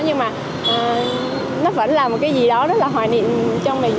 nhưng mà nó vẫn là một cái gì đó rất là hoài niệm cho mình